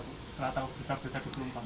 kelah tau betapa betapa